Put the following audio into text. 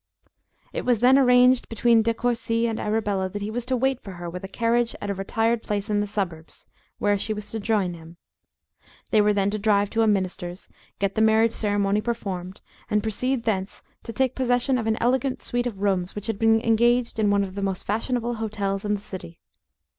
It was arranged between De Courci and Arabella that he was to wait for her with a carriage at a retired place in the suburbs, where she was to join him. They were then to drive to a minister's, get the marriage ceremony performed, and proceed thence to take possession of an elegant suite of rooms which had been engaged in one of the most fashionable hotels in the city.